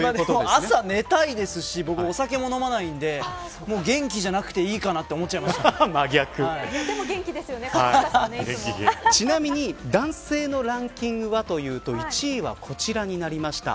朝寝たいですし僕、お酒も飲まないので元気じゃなくていいかなとちなみに男性のランキングはというと１位はこちらになりました。